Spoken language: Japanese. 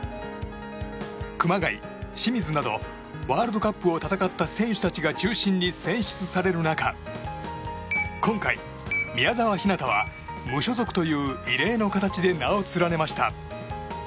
熊谷、清水などワールドカップを戦った選手たちが中心に選出される中今回、宮澤ひなたは無所属という異例の形で名を連ねました。